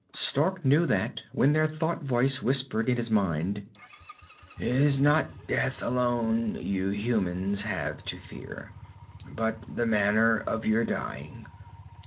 Stark knew that when their thought voice whispered in his mind, "It is not death alone you humans have to fear, but the manner of your dying.